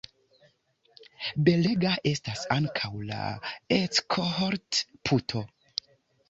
Belega estas ankaŭ la Eckholdt-puto.